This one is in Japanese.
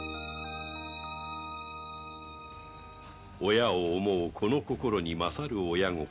親を思う子の心に勝る親心